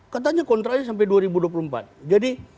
katanya kontraknya sampai dua ribu dua puluh empat jadi